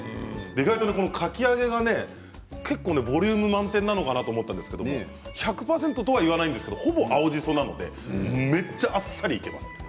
意外とかき揚げが結構ボリュームが満点なのかなと思ったんですけれど１００％とは言わないですけれどもほぼ、青じそなのでめっちゃあっさりいただける。